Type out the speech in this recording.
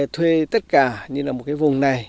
thuê tất cả như là một cái vùng này